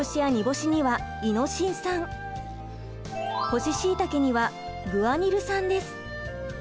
干ししいたけにはグアニル酸です。